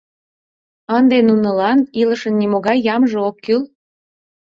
Ынде нунылан илышын нимогай ямже ок кӱл?